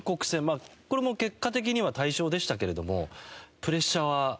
これも結果的には大勝でしたけれどもプレッシャーは。